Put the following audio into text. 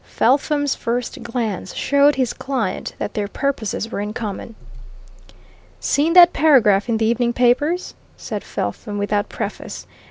Felpham's first glance showed his client that their purposes were in common. "Seen that paragraph in the evening papers?" said Felpham without preface.